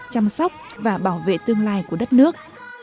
chăm sóc và bảo vệ tương lai của đất nước